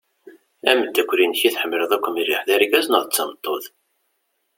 Ameddakel-inek i tḥemmleḍ akk mliḥ d argaz neɣ d tameṭṭut?